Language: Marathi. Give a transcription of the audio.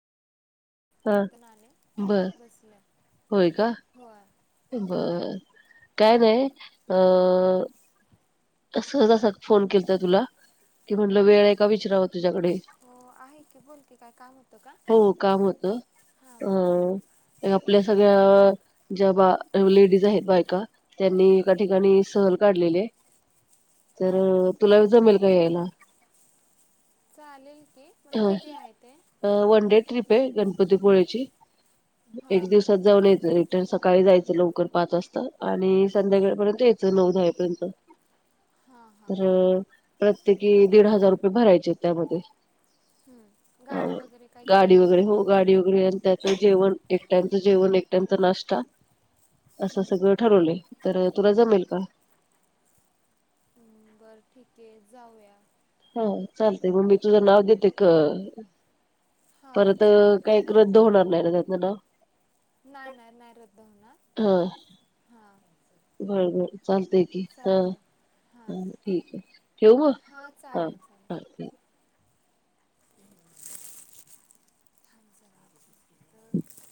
हा आत्ता नाणे बर बसले होय का होय बरं काय नाही अ सहज असंच फोन केलता तुला की म्हटलं हां वेळ आहे का विचारावं तुझ्याकडे हो आहे की बोल की काय काम होतं का हो काम अ हां बोल ना ते आपल्या सगळ्या ज्या बा एवले डीज आहेत बायका त्यांनी एका ठिकाणी सहल काढलेली ये तर हां तुला जमेल का यायला चालेल की पण कधी आहे ते हा वन डे ट्रीप आहे गणपतीपुळेची हां एक हां दिवसात जाऊन यायचं रिटर्न सकाळी जायचं लवकर पाच वाजता आणि संध्याकाळपर्यंत यायचं नऊ दहा वाजेपर्यंत हां हां तर प्रत्येकी हो. दीड हजार रुपये भरायचेत त्यामध्ये हं. गाडी वगैरे काय केली गाडी आहे का वगैरे हो त्यांनी गाडी वगैरे आणि त्याच जेवण एक टाईमच जेवण एक टाईमचा नास् [inaudible] असं हं. सगळं ठरवलय तर तुला जमेल का? हम्म बर ठीकये जाऊया. हा चालतय म मी तुझं नाव देते क हा परत चालेल काही रद्द होणार नाही ना त्यातन नाव नाय नाय नाय रद्द होणार हा हा बर बर चालत की हा हां ठीक ये ठेवू म हां हा चालेल ह चालेल ठीक थांब जरा. तर